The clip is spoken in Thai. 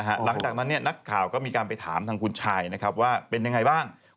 หลังจากนั้นนักข่าวก็มีการไปถามทางคุณชายนะครับว่าเป็นยังไงบ้าง